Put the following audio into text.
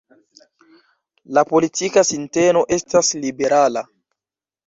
La politika sinteno estas liberala.